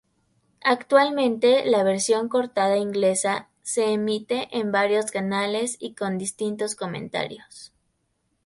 Actualmente la versión cortada inglesa se emite en varios canales y con distintos comentarios.